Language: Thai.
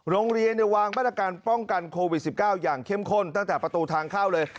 โรงเรียนวางมาตรการป้องกันโควิด๑๙อย่างเข้มข้นตั้งแต่ประตูทางเข้าเลย